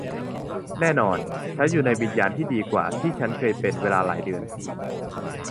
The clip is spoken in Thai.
แน่นอนฉันอยู่ในวิญญาณที่ดีกว่าที่ฉันเคยเป็นเวลาหลายเดือน